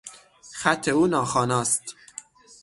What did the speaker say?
خط او ناخوانا است.